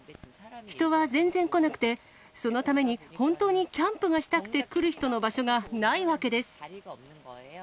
人は全然来なくて、そのために本当にキャンプがしたくて来る人の場所がないわけです。